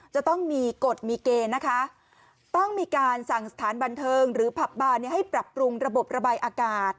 จากสถานบันเทิงหรือผับบาร์เนี่ยให้ปรับปรุงระบบระบายอากาศ